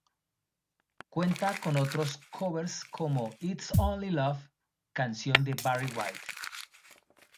Cuenta con otros covers como "It's Only Love", canción de Barry White.